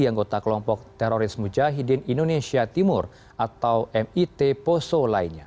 anggota kelompok teroris mujahidin indonesia timur atau mit poso lainnya